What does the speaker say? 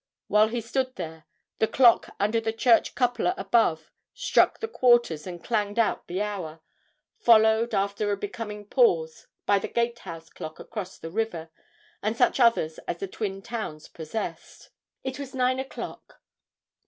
While he stood there the clock under the church cupola above struck the quarters and clanged out the hour, followed, after a becoming pause, by the gatehouse clock across the river, and such others as the twin towns possessed. It was nine o'clock.